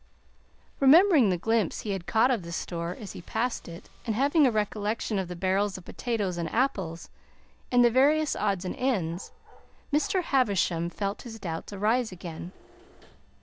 Remembering the glimpse he had caught of the store as he passed it, and having a recollection of the barrels of potatoes and apples and the various odds and ends, Mr. Havisham felt his doubts arise again.